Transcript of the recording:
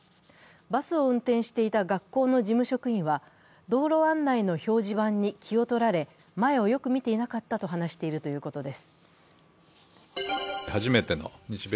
バスを運転していた学校の事務職員は道路案内の表示板に気を取られ、前をよく見ていなかったと話しているということです。